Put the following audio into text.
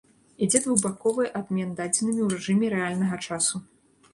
Ідзе двухбаковы абмен дадзенымі ў рэжыме рэальнага часу.